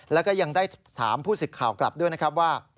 และยังได้ถามผู้สึกข่าวกลับด้วยนะครับว่า